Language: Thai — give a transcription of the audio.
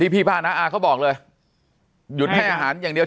ที่พี่พังภูมินะอ่าเขาบอกเลยหยุดให้อาหารอย่างเดียว